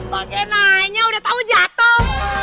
pake nanya udah tau jatoh